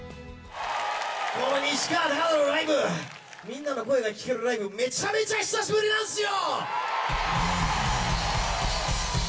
西川貴教のライブ、みんなの声が聞けるライブ、めちゃめちゃ久しぶりなんすよ！